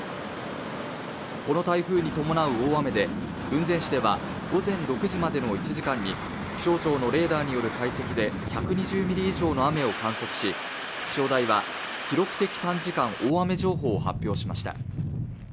この台風に伴う大雨で雲仙市では午前６時までの１時間に気象庁のレーダーによる解析で１２０ミリ以上の雨を観測し気象台は記録的短時間大雨情報を発表しました